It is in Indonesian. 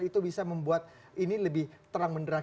itu bisa membuat ini lebih terang menderang